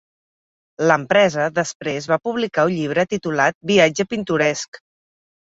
L'empresa després va publicar un llibre titulat "Viatge pintoresc".